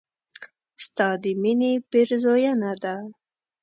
ستا د مينې پيرزوينه ده